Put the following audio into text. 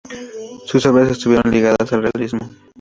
Sus obras estuvieron ligadas al realismo.